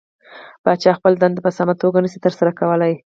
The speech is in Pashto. پاچا خپله دنده په سمه توګه نشي ترسره کولى .